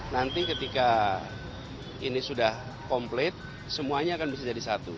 nanti ketika ini sudah komplit semuanya akan bisa jadi satu